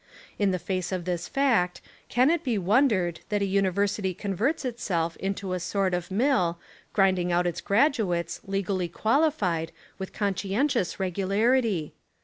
In the face of this fact can it be wondered that a university converts itself into a sort of mill, grinding out its graduates, legally qualified, with conscientious regularity?